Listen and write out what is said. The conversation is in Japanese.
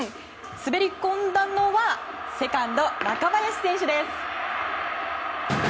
滑り込んだのはセカンド、若林選手です。